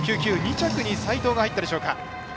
２着に齋藤が入ったでしょうか。